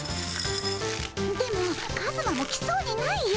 でもカズマも来そうにないよ。